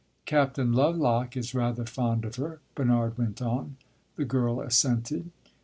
"Captain Lovelock is rather fond of her," Bernard went on. The girl assented.